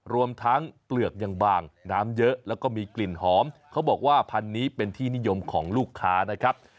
รวมทั้งเปลือกยังบางน้ำเยอะแล้วก็มีกลิ่นหอมเขาบอกว่าพันธุ์นี้เป็นที่นิยมของลูกค้านะครับ